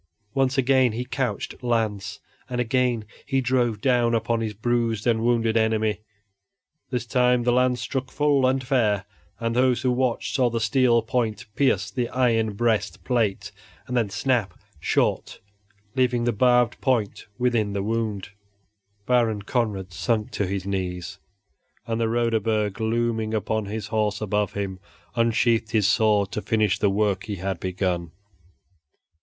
Once again he couched lance, and again he drove down upon his bruised and wounded enemy. This time the lance struck full and fair, and those who watched saw the steel point pierce the iron breast plate and then snap short, leaving the barbed point within the wound. Baron Conrad sunk to his knees and the Roderburg, looming upon his horse above him, unsheathed his sword to finish the work he had begun.